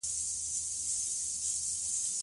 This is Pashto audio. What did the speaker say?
ذهن خلاص کړه لوستل پېل کړه